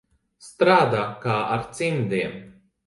Strādā kā ar cimdiem.